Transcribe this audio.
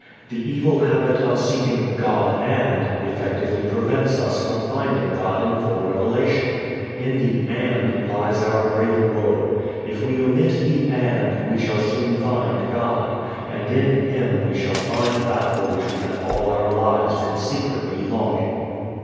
The evil habit of seeking God and effectively prevents us from finding God in full revelation. In the "and" lies our great woe. If we omit the "and" we shall soon find God, and in Him we shall find that for which we have all our lives been secretly longing.